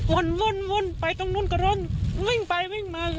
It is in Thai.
วุ่นวุ่นวุ่นไปตรงนู้นกระโล่นวิ่งไปวิ่งมา